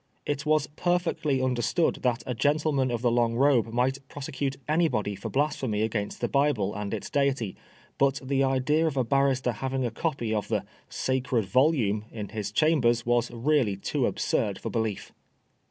It was perfectly understood that a gentleman of the long robe might prosecute anybody for blas phemy against the Bible and its Deity, but the idea of a barrister having a copy of the " sacred volume " in his chambers was really too absurd for belief.